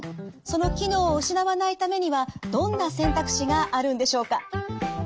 その機能を失わないためにはどんな選択肢があるんでしょうか？